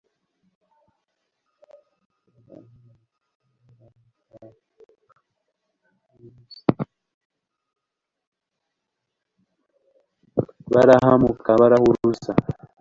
Barahamuka barahuruza